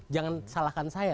jangan salahkan saya